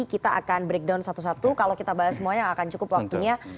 kita akan breakdown satu satu kalau kita bahas semuanya akan cukup waktunya